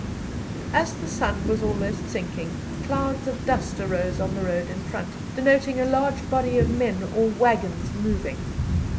As the sun was almost sinking, clouds of dust arose on the road in front, denoting a large body of men or waggons moving.